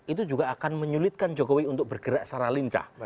itu juga akan menyulitkan jokowi untuk bergerak secara lincah